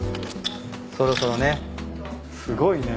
そろそろね。